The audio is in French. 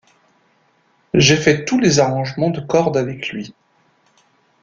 J'ai fait tous les arrangements de cordes avec lui.